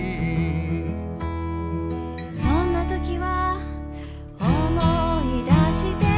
「そんな時は思い出して」